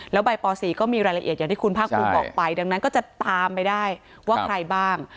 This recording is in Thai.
แล้วใบป๔ก็มีรายละเอียดอย่างที่คุณภาคภูมิบอกไปดังนั้นก็จะตามไปได้ว่าใครบ้าง